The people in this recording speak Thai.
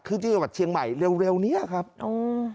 คือที่จังหวัดเชียงใหม่เร็วเร็วเนี้ยครับอ๋อ